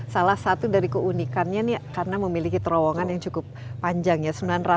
salah satu dari keunikannya ini karena memiliki terowongan yang cukup panjang ya